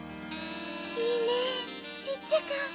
いいねシッチャカ。